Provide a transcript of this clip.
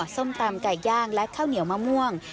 ส้มตำไก่ย่างและข้าวเหนียวมะม่วง